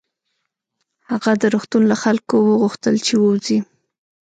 هغه د روغتون له خلکو وغوښتل چې ووځي